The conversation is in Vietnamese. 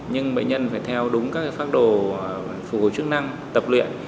nhưng bệnh nhân phải theo đúng các pháp đồ phục vụ chức năng tập luyện